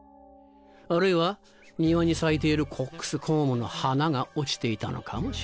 あるいは庭に咲いているコックスコームの花が落ちていたのかもしれん。